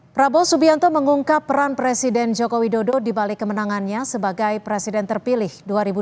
prabowo subianto mengungkap peran presiden jokowi dodo di balik kemenangannya sebagai presiden terpilih dua ribu dua puluh empat